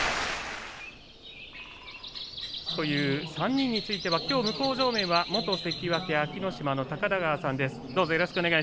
３人についてはきょう向正面は元関脇安芸乃島の高田川さんです。